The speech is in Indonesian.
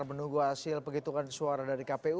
menunggu hasil penghitungan suara dari kpu